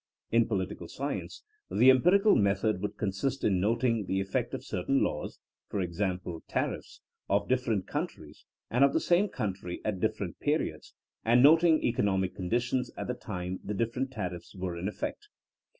In political science the empirical method would consist in noting the effect of certain laws, — e. g., tariffs of different countries and of the same country at different periods — and noting economic con ditions at the time the different tariffs were in effect.